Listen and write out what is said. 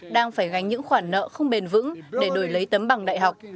đang phải gánh những khoản nợ không bền vững để đổi lấy tấm bằng đại học